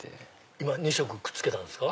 今２色くっつけたんですか。